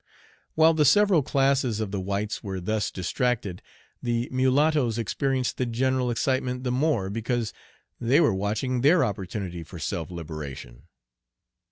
White the several classes of the whites were thus distracted, the mulattoes experienced the general excitement the more because they were watching their opportunity for self liberation.